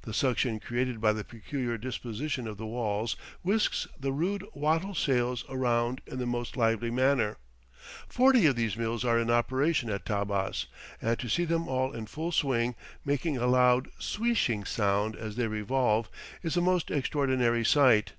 The suction created by the peculiar disposition of the walls whisks the rude wattle sails around in the most lively manner. Forty of these mills are in operation at Tabbas; and to see them all in full swing, making a loud "sweeshing" noise as they revolve, is a most extraordinary sight.